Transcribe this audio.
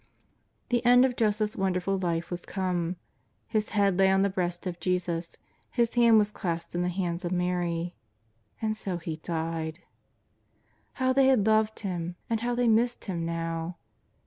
The end of Joseph's wonderful life was come. His head lay on the breast of Jesus, his hand was clasped in the hands of Mary — and so he died. How they had loved him and how they missed him now